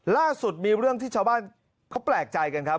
ล่าสุดมีเรื่องที่ชาวบ้านเขาแปลกใจกันครับ